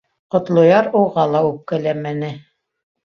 Ҡотлояр уға ла үпкәләмәне.